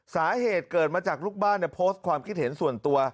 สาเหตุเกิดมาจากลูกบ้านโพสต์ความคิดเห็นส่วนตัว